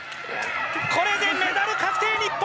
これでメダル確定、日本！